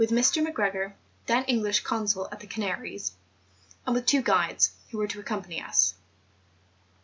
261 with Mr. Macgregor, then English consul at the Canaries, and with two guides, who were to accom¬ pany us.